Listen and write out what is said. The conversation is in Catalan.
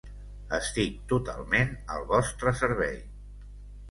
Estic totalment al vostre servei.